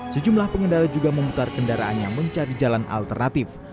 sejumlah pengendara juga memutar kendaraannya mencari jalan alternatif